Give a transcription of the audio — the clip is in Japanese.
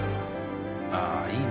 ああいいね。